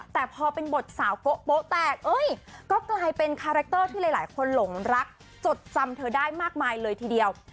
แต่พอเป็นบทสาวโก๊แตกเอ้ยก็กลายเป็นคาแรคเตอร์ที่หลายคนหลงรักจดจำเธอได้มากมายเลยทีเดียว